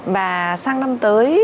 và sang năm tới